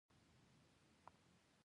د افغانستان په منظره کې یورانیم ښکاره ده.